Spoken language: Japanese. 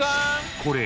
［これ］